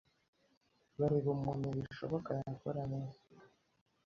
bareba umuntu bishoboka yakora nez